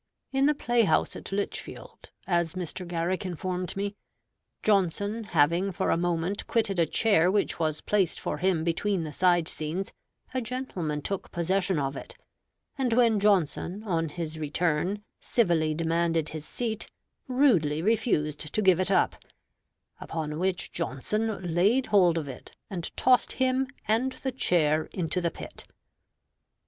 In the play house at Lichfield, as Mr. Garrick informed me, Johnson having for a moment quitted a chair which was placed for him between the side scenes, a gentleman took possession of it, and when Johnson on his return civilly demanded his seat, rudely refused to give it up; upon which Johnson laid hold of it and tossed him and the chair into the pit.